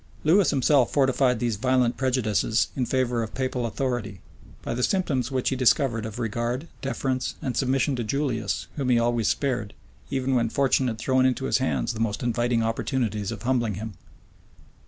[*] Lewis himself fortified these violent prejudices in favor of papal authority, by the symptoms which he discovered of regard, deference, and submission to Julius, whom he always spared, even when fortune had thrown into his hands the most inviting opportunities of humbling him.